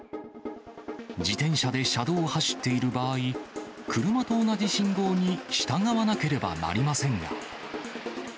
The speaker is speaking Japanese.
自転車で車道を走っている場合、車と同じ信号に従わなければなりませんが。